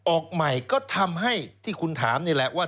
ออกใหม่ก็ทำให้ที่คุณถามนี่แหละว่า